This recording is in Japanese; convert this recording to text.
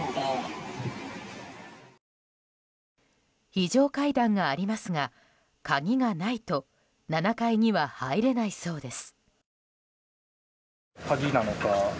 非常階段がありますが鍵がないと７階には入れないそうです。